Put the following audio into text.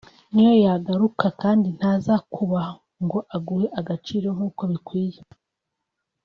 niyo yagaruka kandi ntazakubaha ngo aguhe agaciro nkuko bikwiye